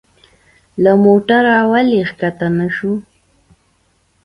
له موټره ولي کښته نه شو؟